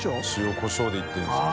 ・コショウでいってるんですね。